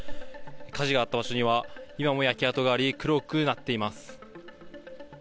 火事があった場所には今も焼け跡があり黒くなっています。